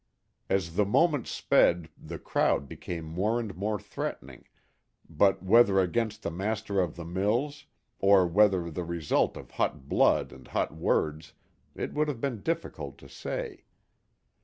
As the moments sped the crowd became more and more threatening, but whether against the master of the mills, or whether the result of hot blood and hot words, it would have been difficult to say.